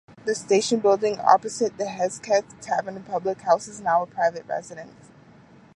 The station building, opposite the Hesketh Tavern public house, is now a private residence.